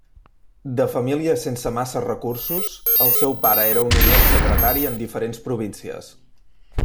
De família sense massa recursos, el seu pare era un humil secretari en diferents províncies.